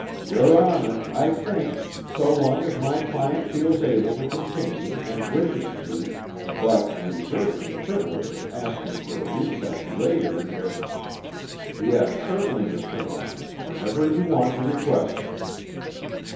"Your Honor, I think so long as my client feels able to continue and wishes to but reserving the privilege of asking for a recess later if " "Yes, certainly, Mr. Warner. Whenever you want to request it."